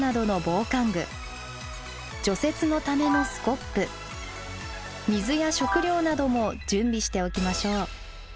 除雪のためのスコップ水や食料なども準備しておきましょう。